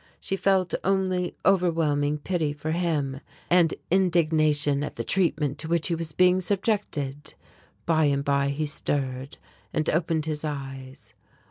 She felt only overwhelming pity for him, and indignation at the treatment to which he was being subjected. By and by he stirred and opened his eyes.